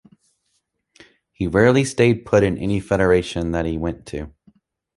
He rarely stayed put in any federation that he went to.